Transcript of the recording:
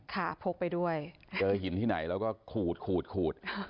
พกไปด้วยเจอหินที่ไหนแล้วก็ขูดขูดขูด